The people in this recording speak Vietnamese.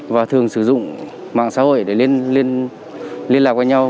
và thường sử dụng mạng xã hội để lên liên lạc với nhau